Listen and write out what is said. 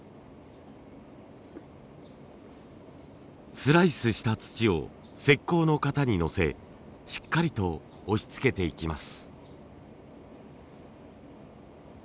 スライスした土を石こうの型にのせしっかりと押しつけていきます。